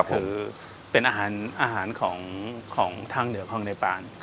คือเป็นอาหารของทางเหนือของเนปาน